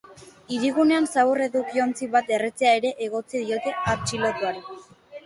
Hirigunean zabor edukiontzi bat erretzea ere egotzi diote atxilotuari.